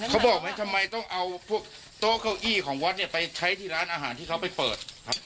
เขาบอกไหมทำไมต้องเอาพวกโต๊ะเก้าอี้ของวัดเนี่ยไปใช้ที่ร้านอาหารที่เขาไปเปิดครับ